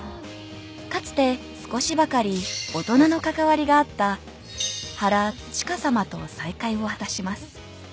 かつて少しばかり大人の関わりがあった原チカさまと再会を果たします。